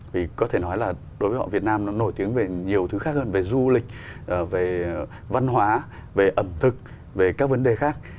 vì có thể nói là đối với họ việt nam nó nổi tiếng về nhiều thứ khác hơn về du lịch về văn hóa về ẩm thực về các vấn đề khác